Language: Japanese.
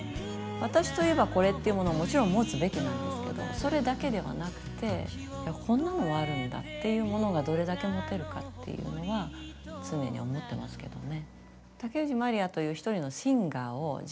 私といえばこれっていうものをもちろん持つべきなんですけどそれだけではなくてこんなのもあるんだっていうものがどれだけ持てるかっていうのは常に思ってますけどね。